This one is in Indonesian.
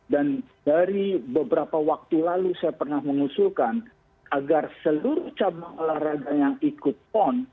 dan dari beberapa waktu lalu saya pernah mengusulkan agar seluruh cabang olahraga yang ikut pon